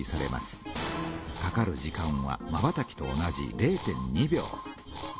かかる時間はまばたきと同じ０．２秒。